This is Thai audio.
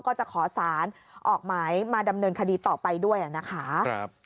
ก็จะขอสารออกหมายมาดำเนินคดีต่อไปด้วยนะคะ